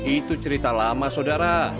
itu cerita lama sodara